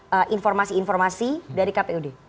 jadi tidak ada informasi informasi dari kpud